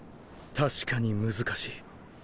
確かに難しい。